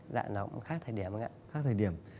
dạ nó cũng khác thời điểm ạ